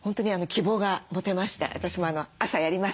私も朝やります。